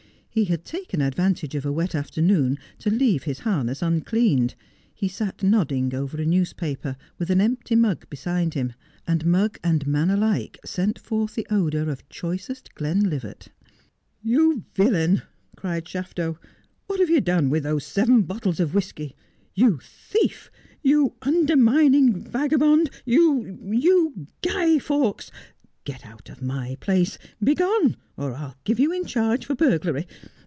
He had taken advantage of a wet after noon to leave his harness uncleaned. He sat nodding over a newspaper, with an empty mug beside him ; and mug and man alike sent forth the odour of choicest Glenlivat. ' You villain !' cried Shaf to, ' what have you done with those seven bottles of whisky 1 You thief, you undermining vaga bond, you — you Guy Faux ! Get out of my place — begone— or I'll give you in charge for burglary.